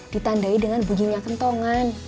ditandai dengan bujinya kentongan